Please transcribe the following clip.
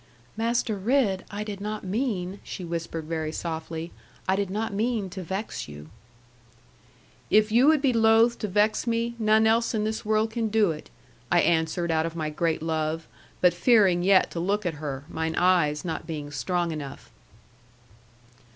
'Master Ridd, I did not mean,' she whispered, very softly, 'I did not mean to vex you.' 'If you would be loath to vex me, none else in this world can do it,' I answered out of my great love, but fearing yet to look at her, mine eyes not being strong enough.